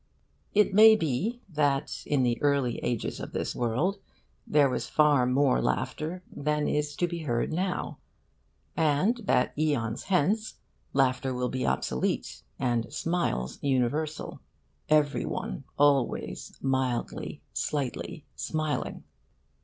It may be that in the early ages of this world there was far more laughter than is to be heard now, and that aeons hence laughter will be obsolete, and smiles universal every one, always, mildly, slightly, smiling.